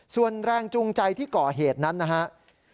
ส่วนแรงจูงใจที่ก่อเหตุนั้นนะครับ